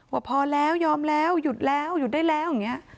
ว่าพอแล้วยอมแล้วหยุดแล้วหยุดได้แล้วอย่างนี้